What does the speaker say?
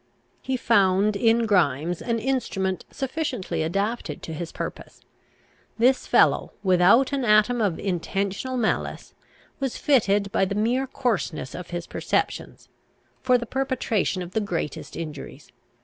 He found in Grimes an instrument sufficiently adapted to his purpose. This fellow, without an atom of intentional malice, was fitted, by the mere coarseness of his perceptions, for the perpetration of the greatest injuries.